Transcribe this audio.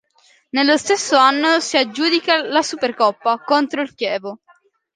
Nello stesso anno, si aggiudica la Supercoppa contro il Chievo.